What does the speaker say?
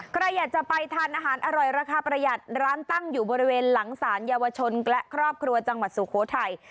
ใครอยากจะไปทานอาหารอร่อยราคาประหยัดร้านตั้งอยู่บริเวณหลังสารเยาวชนและครอบครัวจังหวัดสุโขทัย